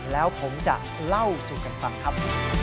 แล้วผมจะเล่าสู่กันฟังครับ